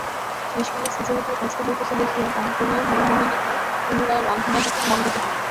শেষকালে সুচরিতার কষ্ট হইতেছে দেখিয়া দায়ে পড়িয়া হরিমোহিনীকে পুনরায় রন্ধনাদিতে মন দিতে হইল।